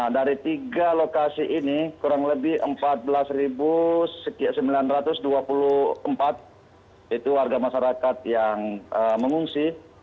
dari tiga lokasi ini kurang lebih empat belas sembilan ratus dua puluh empat itu warga masyarakat yang mengungsi